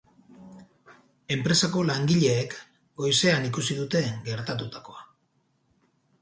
Enpresako langileek goizean ikusi dute gertatutakoa.